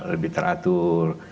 bisa lebih teratur